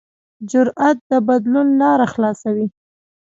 جرأت د بدلون لاره خلاصوي.